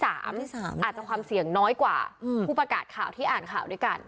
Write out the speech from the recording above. อาจจะความเสี่ยงน้อยกว่าผู้ประกาศข่าวที่อ่านข่าวด้วยกัน